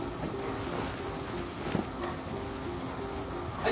はい。